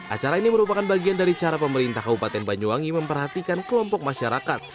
acara ini merupakan bagian dari cara pemerintah kabupaten banyuwangi memperhatikan kelompok masyarakat